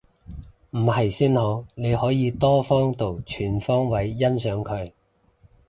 唔係先好，你可以多方度全方位欣賞佢